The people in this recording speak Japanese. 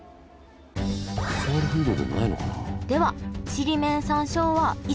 ソウルフードじゃないのかなあ。